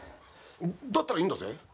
だったらいいんだぜ。